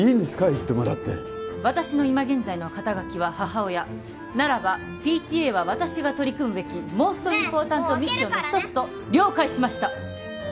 行ってもらって私の今現在の肩書は母親ならばＰＴＡは私が取り組むべきモーストインポータントミッションの一つと了解しました